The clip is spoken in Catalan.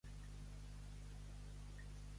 Qui resa el sant rosari, mai li falta el necessari.